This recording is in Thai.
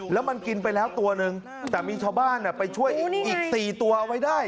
แล้วมันกินไปแล้วตัวนึงแต่มีชาวบ้านไปช่วยอีก๔ตัวเอาไว้ได้